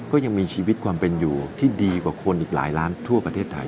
ก็ยังมีชีวิตความเป็นอยู่ที่ดีกว่าคนอีกหลายล้านทั่วประเทศไทย